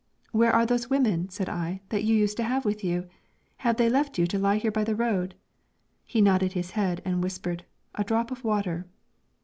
'Where are those women,' said I, 'that you used to have with you? Have they left you to lie here by the road?' He nodded his head and whispered, 'A drop of water.'